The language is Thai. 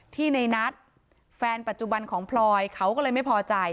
ที่ในนัทแฟนปัจจุบันของพลอยเขาก็เลยไม่พอใจ